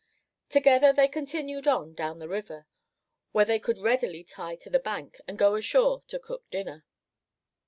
Together they continued on down the river; where they could readily tie to the bank, and go ashore to cook dinner.